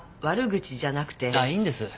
あっいいんです。